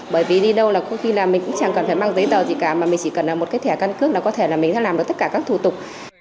bởi vì đi đâu là có khi là mình cũng chẳng cần phải mang giấy tờ gì cả mà mình chỉ cần một cái thẻ căn cước là có thể là mình sẽ làm được tất cả các thủ tục